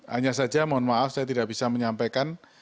hanya saja mohon maaf saya tidak bisa menyampaikan